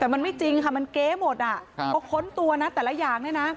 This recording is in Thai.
แต่มันไม่จริงค่ะมันเก๊หมดอ่ะพอค้นตัวนะแต่ละอย่างเนี่ยนะ